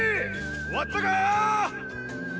終わったか？